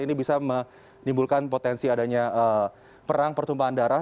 ini bisa menimbulkan potensi adanya perang pertumpahan darah